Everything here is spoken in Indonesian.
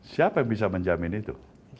siapa yang bisa menjamin itu